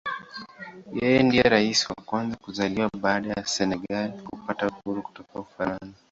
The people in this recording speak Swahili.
Yeye ndiye Rais wa kwanza kuzaliwa baada ya Senegal kupata uhuru kutoka Ufaransa.